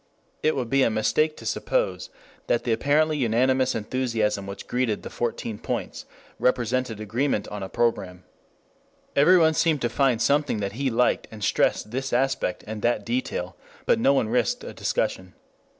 5 It would be a mistake to suppose that the apparently unanimous enthusiasm which greeted the Fourteen Points represented agreement on a program. Everyone seemed to find something that he liked and stressed this aspect and that detail. But no one risked a discussion.